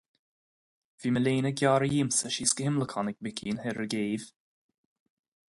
Bhí mo léine gearrtha díomsa síos go himleacán ag Mickeen thoir ar an gcéibh.